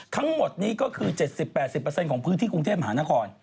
ทั้งหมดนี้ก็คือ๗๐๘๐ของพื้นที่กรุงเทพมหานคร